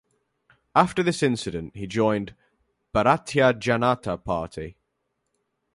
After this incident he joined Bharatiya Janata Party.